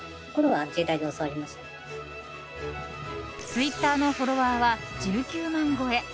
ツイッターのフォロワーは１９万超え。